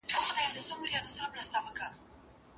آیا درملنه د جسم اصلي ساتنه ګڼل کيږي؟